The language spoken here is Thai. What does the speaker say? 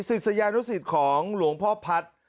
ศิษยานุศิษย์ของหลวงพ่อพัทธ์